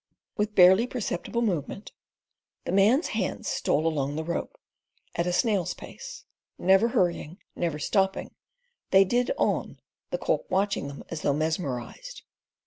With barely perceptible movement, the man's hands stole along the rope at a snail's pace. Never hurrying never stopping, they did on, the colt watching them as though mesmerised.